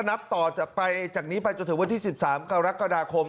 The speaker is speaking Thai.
นับต่อนับไปจากนี้จนถึงวันที่สิบสามกรกฎาคม